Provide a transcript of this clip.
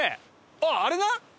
あっあれな！